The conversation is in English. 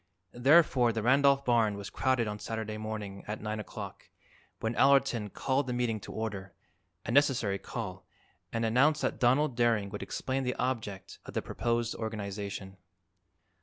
Therefore the Randolph barn was crowded on Saturday morning at 9 o'clock, when Allerton called the meeting to order a necessary call and announced that Donald Daring would explain the object of the proposed organization.